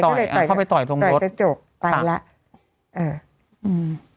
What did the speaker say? เขาเลยต่อยอ่ะเขาไปต่อยตรงรถต่อยตะโจกตายละเอออืม